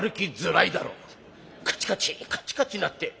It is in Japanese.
カチカチカチカチなって」。